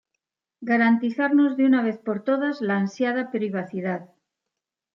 garantizarnos de una vez por todas, la ansiada privacidad